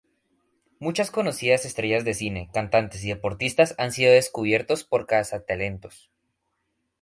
Muchas conocidas estrellas de cine, cantantes y deportistas han sido descubiertos por cazatalentos.